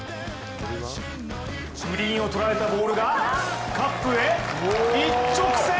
グリーンを捉えたボールがカップへ一直線！